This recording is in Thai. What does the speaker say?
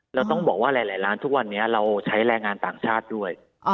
เราต้องบอกว่าหลายร้านทุกวันนี้เราใช้แรงงานต่างชาติด้วย